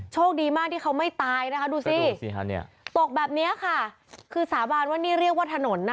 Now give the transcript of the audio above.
โชคดีมากที่เขาไม่ตายนะคะดูสิฮะตกแบบนี้ค่ะคือสาบานว่านี่เรียกว่าถนนนะคะ